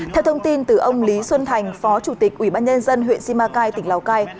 tuy nhiên tên tử ông lý xuân thành phó chủ tịch ubnd huyện si ma cai tỉnh lào cai